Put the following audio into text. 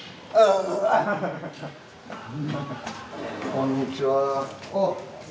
こんにちは。